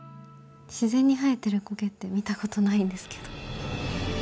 自然に生えてる苔って見たことないんですけど。